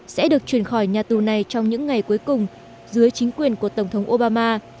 sẽ được chuyển khỏi nhà tù này trong những ngày cuối cùng dưới chính quyền của tổng thống obama